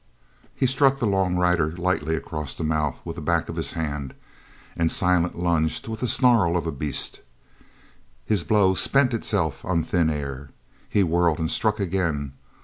He struck the long rider lightly across the mouth with the back of his hand, and Silent lunged with the snarl of a beast. His blow spent itself on thin air. He whirled and struck again.